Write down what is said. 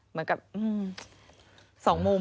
เหมือนกับ๒มุม